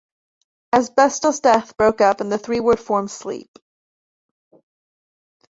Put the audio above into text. Asbestosdeath broke up and the three would form Sleep.